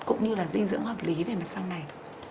cũng như là dinh dưỡng hợp lý về mặt sau này